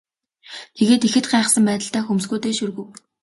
Тэгээд ихэд гайхсан байдалтай хөмсгөө дээш өргөв.